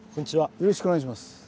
よろしくお願いします。